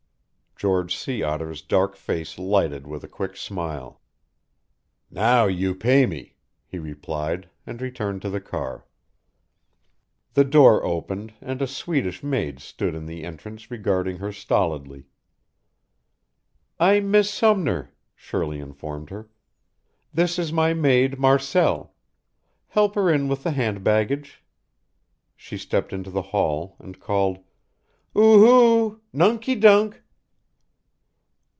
George Sea Otter's dark face lighted with a quick smile. "Now you pay me," he replied and returned to the car. The door opened, and a Swedish maid stood in the entrance regarding her stolidly. "I'm Miss Sumner," Shirley informed her. "This is my maid Marcelle. Help her in with the hand baggage." She stepped into the hall and called: "Ooh hooh! Nunky dunk!"